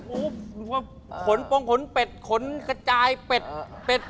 อู้วผมว่าขนขนแปดขนกระจายแปด